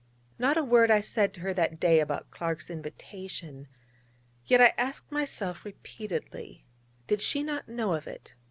Not a word I said to her that day about Clark's invitation. Yet I asked myself repeatedly: Did she not know of it?